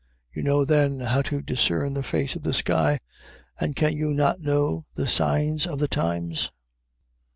You know then how to discern the face of the sky: and can you not know the signs of the times?